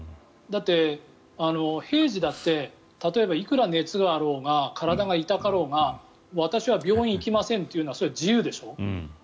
だって、平時だって例えばいくら熱があろうが体痛かろうが私は病院行きませんというのはそれ、自由でしょ。